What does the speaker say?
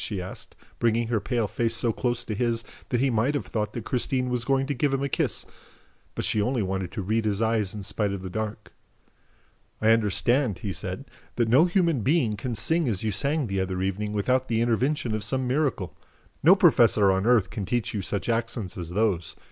she asked, bringing her pale face so close to his that he might have thought that Christine was going to give him a kiss; but she only wanted to read his eyes in spite of the dark. "I understand," he said, "that no human being can sing as you sang the other evening without the intervention of some miracle. No professor on earth can teach you such accents as those.